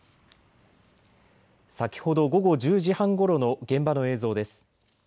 先ほど午後１０時半ごろの現場の映像です。